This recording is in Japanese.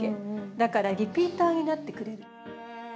だからリピーターになってくれる。